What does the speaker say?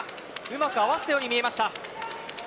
うまく合わせたように見えました。